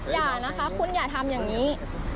อย่านะคะคุณอย่าทำอย่างนี้